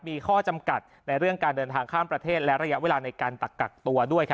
มีข้อจำกัดในเรื่องการเดินทางข้ามประเทศและระยะเวลาในการตักกักตัวด้วย